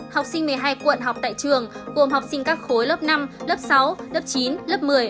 học sinh một mươi hai quận học tại trường gồm học sinh các khối lớp năm lớp sáu lớp chín lớp một mươi